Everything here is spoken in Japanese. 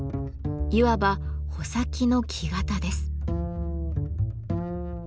いわば穂先の「木型」です。